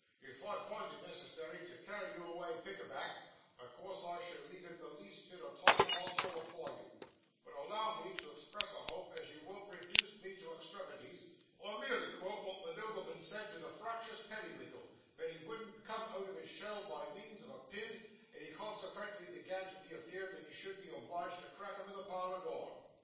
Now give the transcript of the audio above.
'If I find it necessary to carry you away, pick a back, o' course I shall leave it the least bit o' time possible afore you; but allow me to express a hope as you won't reduce me to extremities; in saying wich, I merely quote wot the nobleman said to the fractious pennywinkle, ven he vouldn't come out of his shell by means of a pin, and he conseqvently began to be afeered that he should be obliged to crack him in the parlour door.